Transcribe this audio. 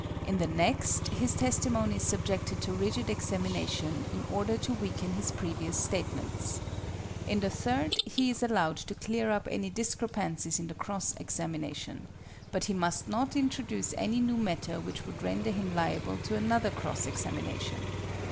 In the next his testimony is subjected to rigid examination in order to weaken his previous statements. In the third he is allowed to clear up any discrepancies in the cross examination, but he must not introduce any new matter which would render him liable to another cross examination.